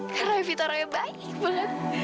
karena evita orangnya baik banget